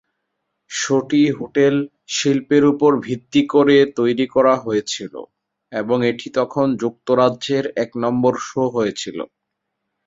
শোটি hotel শিল্পের উপর ভিত্তি করে তৈরি করা হয়েছিল এবং এটি তখন যুক্তরাজ্যের এক নম্বর শো হয়েছিল।